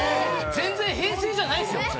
全然平成じゃないっすよ。